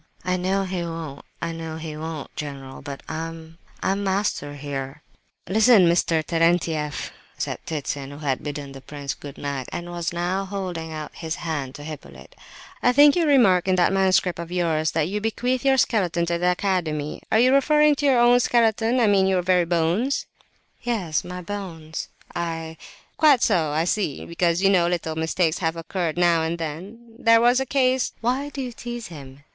"I know he won't, I know he won't, general; but I—I'm master here!" "Listen, Mr. Terentieff," said Ptitsin, who had bidden the prince good night, and was now holding out his hand to Hippolyte; "I think you remark in that manuscript of yours, that you bequeath your skeleton to the Academy. Are you referring to your own skeleton—I mean, your very bones?" "Yes, my bones, I—" "Quite so, I see; because, you know, little mistakes have occurred now and then. There was a case—" "Why do you tease him?"